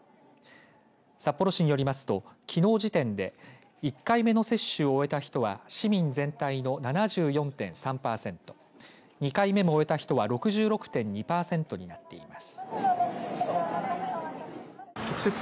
札幌市によりますときのう時点で１回目の接種を終えた人は市民全体の７４．３パーセント２回目も終えた人は６６．２パーセントになっています。